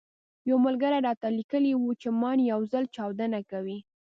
يو ملګري راته ليکلي وو چې ماين يو ځل چاودنه کوي.